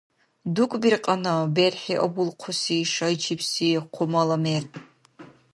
«ДукӀбиркьана» — БерхӀи абулхъуси шайчибси хъумала мер.